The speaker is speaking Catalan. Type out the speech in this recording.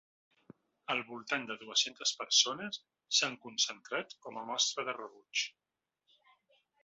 Al voltant de dues-centes persones s'han concentrat com a mostra de rebuig.